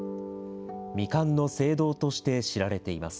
未完の聖堂として知られています。